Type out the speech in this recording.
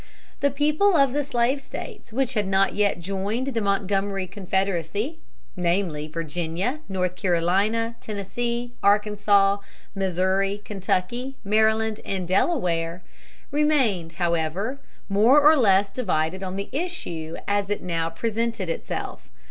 The people of the slave States which had not yet joined the Montgomery Confederacy namely, Virginia, North Carolina, Tennessee, Arkansas, Missouri, Kentucky, Maryland, and Delaware remained, however, more or less divided on the issue as it now presented itself.